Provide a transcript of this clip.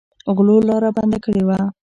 غلو لاره بنده کړې وه.